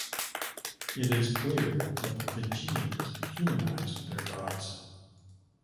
It is clear that the Fijians humanized their gods.